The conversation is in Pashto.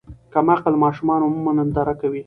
کم عقل ماشومان عموماً ننداره کوي.